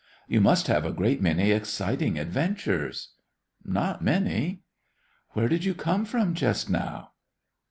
"You must have a great many exciting adventures." "Not many." "Where did you come from just now?"